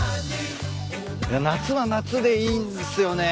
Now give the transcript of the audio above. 夏は夏でいいんすよね。